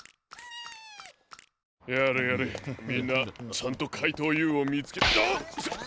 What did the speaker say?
やれやれみんなちゃんとかいとうＵをみつけあっ！